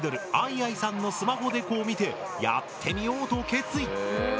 ぁぃさんのスマホデコを見てやってみようと決意。